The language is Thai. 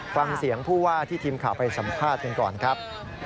ฟังเสียงผู้ว่าที่ทีมข่าวไปสัมภาษณ์กันก่อนครับ